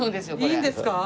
いいんですか？